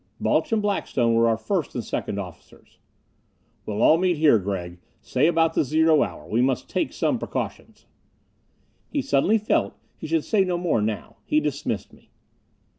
Balch and Blackstone were our first and second officers. "We'll all meet here, Gregg say about the zero hour. We must take some precautions." He suddenly felt he should say no more now. He dismissed me.